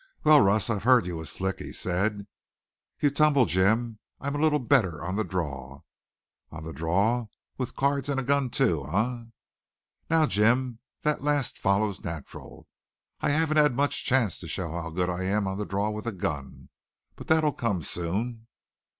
"Wal, Russ, I've heard you was slick," he said. "You tumble, Jim. I'm a little better on the draw." "On the draw? With cards, an' gun, too, eh?" "Now, Jim, that last follows natural. I haven't had much chance to show how good I am on the draw with a gun. But that'll come soon."